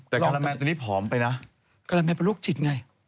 แต่การแมร์ตอนนี้ผอมไปนะการแมร์เป็นลูกจิตไง